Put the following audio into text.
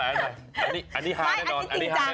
อันนี้ค่ะแน่นอน